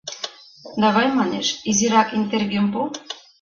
Давай, манеш, изирак интервьюм пу.